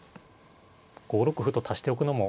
５六歩と足しておくのも。